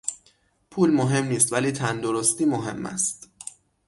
پول مهم نیست ولی تندرستی مهم است.